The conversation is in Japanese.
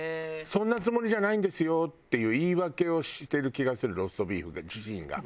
そんなつもりじゃないんですよっていう言い訳をしてる気がするローストビーフ自身が。